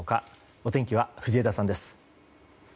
お天気は藤枝さんです。